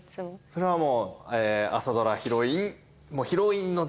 それはもう朝ドラヒロイン。